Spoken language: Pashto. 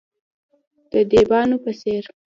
د دیبانو په څیر،